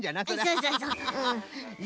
そうそうそううん。